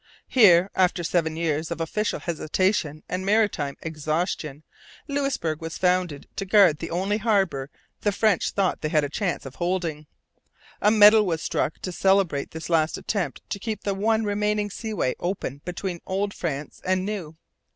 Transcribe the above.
Here, after seven years of official hesitation and maritime exhaustion, Louisbourg was founded to guard the only harbour the French thought they had a chance of holding. A medal was struck to celebrate this last attempt to keep the one remaining seaway open between Old France and New.